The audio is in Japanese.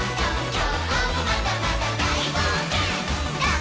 「きょうもまだまだだいぼうけん」「ダン」